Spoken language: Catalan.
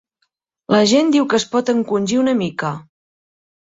L'agent diu que es pot encongir una mica.